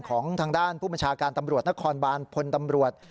ของทางด้านผู้บัญชาการตำรวจนครบานพลตำรวจ